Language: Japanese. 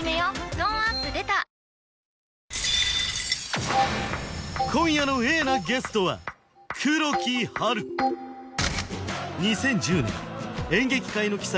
トーンアップ出た今夜のＡなゲストは２０１０年演劇界の鬼才